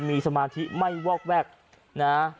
มีสมาธิไม่วอกแวกนะ